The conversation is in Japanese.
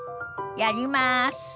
やります。